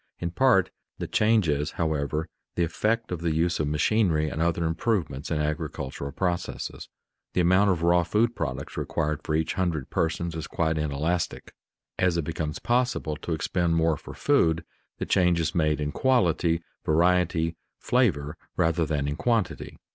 In part the change is, however, the effect of the use of machinery and other improvements in agricultural processes. The amount of raw food products required for each hundred persons is quite inelastic. As it becomes possible to expend more for food, the change is made in quality, variety, flavor, rather than in quantity.